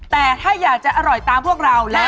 แต่ถ้าอยากจะอร่อยตามพวกเรา